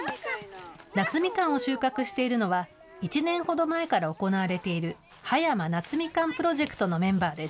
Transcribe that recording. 夏みかんを収穫しているのは、１年ほど前から行われている、葉山夏みかんプロジェクトのメンバーです。